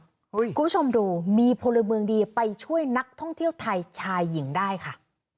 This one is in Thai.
คุณผู้ชมดูมีพลเมืองดีไปช่วยนักท่องเที่ยวไทยชายหญิงได้ค่ะ